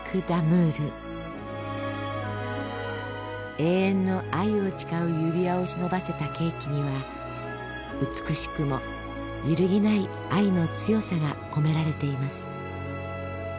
永遠の愛を誓う指輪を忍ばせたケーキには美しくも揺るぎない愛の強さが込められています。